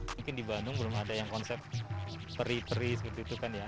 mungkin di bandung belum ada yang konsep peri peri seperti itu kan ya